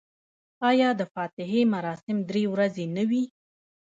آیا د فاتحې مراسم درې ورځې نه وي؟